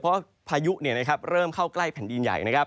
เพราะพายุเริ่มเข้าใกล้แผ่นดินใหญ่